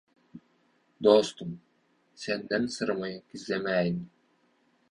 Dostum, senden syrymy gizlemäýin